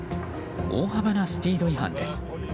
大幅なスピード違反です。